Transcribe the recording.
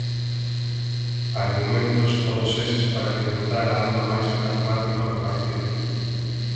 Argumentos todos eses para alimentar a alma máis pragmática do partido.